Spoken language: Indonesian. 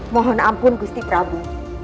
mohon ampun gusti prabu